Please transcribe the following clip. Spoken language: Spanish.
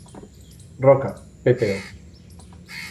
Roca, Pto.